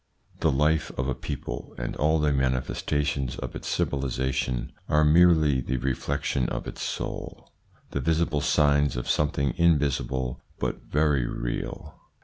The life of a people and all the manifestations of its civilisation are merely the reflection of its soul, the visible signs of something invisible but very real.